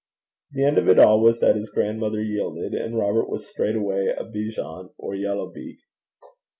The end of it all was that his grandmother yielded, and Robert was straightway a Bejan, or Yellow beak.